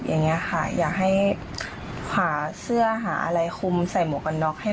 อย่างนี้ค่ะอยากให้หาเสื้อหาอะไรคุมใส่หมวกกันน็อกให้